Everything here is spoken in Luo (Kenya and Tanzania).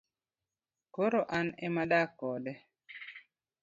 koro an ema adak kode